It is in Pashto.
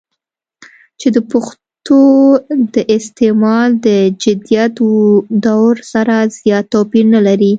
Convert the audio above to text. چې دَپښتو دَاستعمال دَجديد دور سره زيات توپير نۀ لري